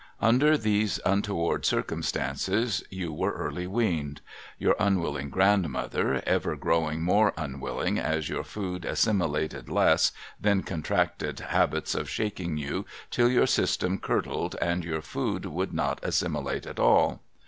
Under these untoward circumstances you were early weaned. Your unwilling grandmother, ever growing more unwilling as your food assimilated less, then contracted habits of shaking you till your system curdled, and your food would not assimilate at all.